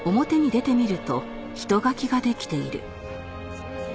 すいません。